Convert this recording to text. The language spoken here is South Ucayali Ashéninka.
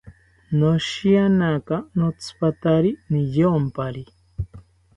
Noshiyanaka notzipatari niyompari